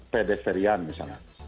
pedestrian di sana